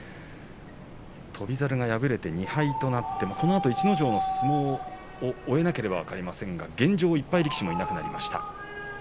翔猿が敗れて２敗となってこのあと逸ノ城の相撲を終えなければ分かりませんが現状、１敗力士もいなくなりました。